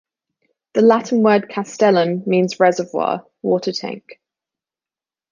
The Latin word "Castellum" means reservoir, water tank.